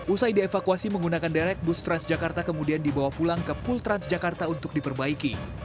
usai dievakuasi menggunakan derek bus transjakarta kemudian dibawa pulang ke pul transjakarta untuk diperbaiki